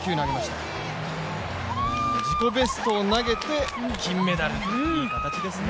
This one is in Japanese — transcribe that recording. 自己ベストを投げて金メダル、いい形ですね。